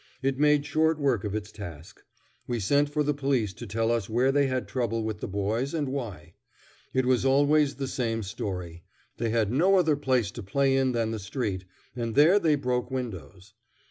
It made short work of its task. We sent for the police to tell us where they had trouble with the boys, and why. It was always the same story: they had no other place to play in than the street, and there they broke windows.